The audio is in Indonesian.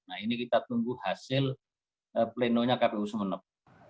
nah ini kita tunggu hasil plenonya kpu sumeneb